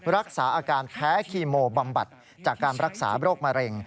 รักษาอาการแพ้คีโมบำบัดจากการรักษาโรคมะเร็ง